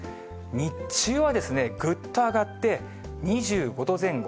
日中はですね、ぐっと上がって、２５度前後。